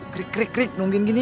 krik krik krik nungguin gini